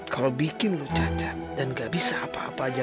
kalau bikin lu caca dan gak bisa apa apa aja